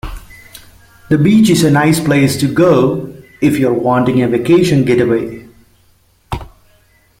The Beach is a nice place to go if you're wanting a vacation getaway.